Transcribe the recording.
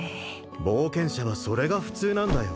冒険者はそれが普通なんだよ